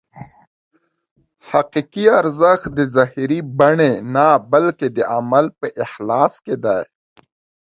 حقیقي ارزښت د ظاهري بڼې نه بلکې د عمل په اخلاص کې دی.